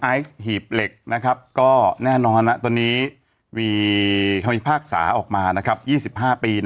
ไอฮีบเล็กนะครับก็แน่นอนนะตัวนี้วิธีภาคศาออกมานะครับ๒๕ปีนะ